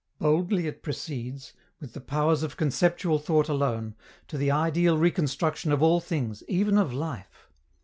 Boldly it proceeds, with the powers of conceptual thought alone, to the ideal reconstruction of all things, even of life.